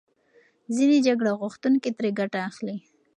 ځینې جګړه غوښتونکي ترې ګټه اخلي.